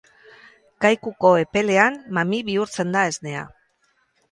Kaikuko epelean mami bihurtzen da esnea.